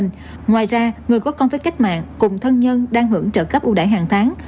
ngoài ra người có con với cách mạng cùng thân nhân đang hưởng trợ cấp ưu đại hàng tháng